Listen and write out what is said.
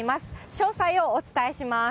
詳細をお伝えします。